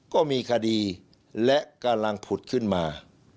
ก็มีคดีและกำลังผุดขึ้นมา